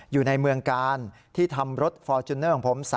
อยู่ในเมืองกาลที่ทำรถฟอร์จูเนอร์ของผม